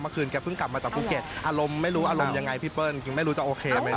เมื่อคืนแกเพิ่งกลับมาจากภูเกษอารมณ์ไม่รู้พี่เปิ้ลไม่รู้จะโอเคไหม